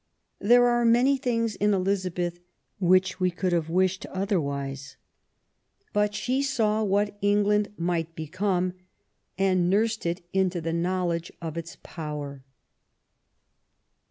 There are many things in Elizabeth which we could have wished otherwise ; but she saw what England might become, and nursed it into the knowledge of its power.